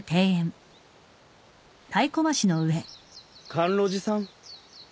甘露寺さん。